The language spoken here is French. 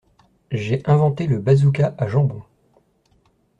J'ai inventé le bazooka à jambon.